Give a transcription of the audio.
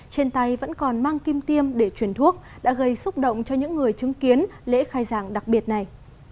trên tay vẫn còn mang kim tiêm để chuyển thuốc đã gây xúc động cho những người chứng kiến lễ khai giảng đặc biệt này